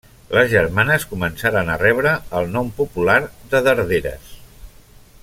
Les germanes començaren a rebre el nom popular de darderes.